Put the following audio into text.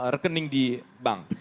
rekening di bank